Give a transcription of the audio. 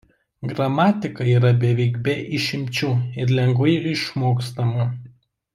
Gramatika yra beveik be išimčių ir lengvai išmokstama.